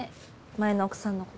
前の奥さんの事。